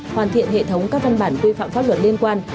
hoàn thiện hệ thống các văn bản quy phạm pháp luật liên quan